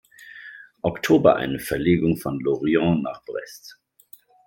Oktober eine Verlegung von Lorient nach Brest.